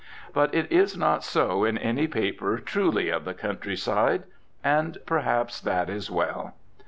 But it is not so in any paper truly of the countryside. And, perhaps, that is well.